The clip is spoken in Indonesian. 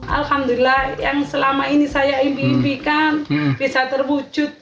alhamdulillah yang selama ini saya impi impikan bisa terwujud